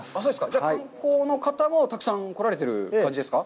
じゃあ、観光の方もたくさん来られてる感じですか。